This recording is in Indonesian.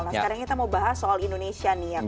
nah sekarang kita mau bahas soal indonesia nih yang